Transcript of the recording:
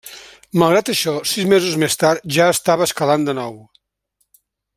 Malgrat això, sis mesos més tard, ja estava escalant de nou.